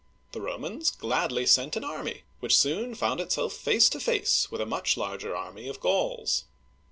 The Romans gladly sent an army, which soon found itself face to face with a much larger army of Gauls.